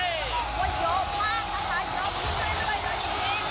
มีทั้งฝาคันโจนคุณศรก์และฝาธาระเบาแดดจากทั่วประเทศ